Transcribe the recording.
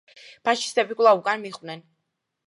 ფაშისტები კვლავ უკან მიჰყვნენ.